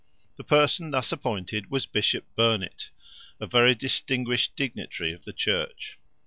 The person thus appointed was Bishop Burnet, a very distinguished dignitary of the Church.